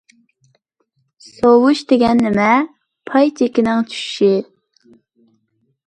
سوۋۇش دېگەن نېمە؟ پاي چېكىنىڭ چۈشۈشى.